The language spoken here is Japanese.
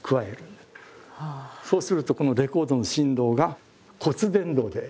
そうするとこのレコードの振動が骨伝導で。